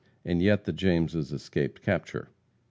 And yet the Jameses escaped capture.